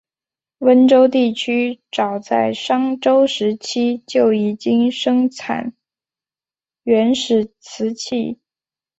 温州地区早在商周时期就已经生产原始瓷器。